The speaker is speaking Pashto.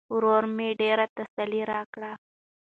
ورور مې ډېره تسلا راکړه.